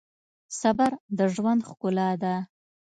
صبر د ژوند ښکلا ده.